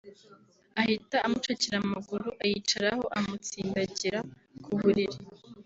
ahita amucakira amaguru ayicaraho amutsindagira ku buriri